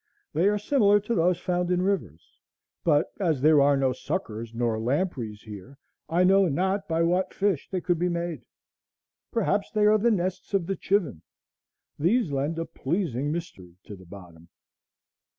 They are similar to those found in rivers; but as there are no suckers nor lampreys here, I know not by what fish they could be made. Perhaps they are the nests of the chivin. These lend a pleasing mystery to the bottom.